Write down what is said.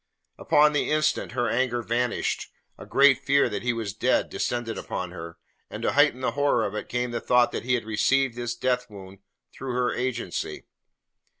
Upon the instant her anger vanished. A great fear that he was dead descended upon her, and to heighten the horror of it came the thought that he had received his death wound through her agency.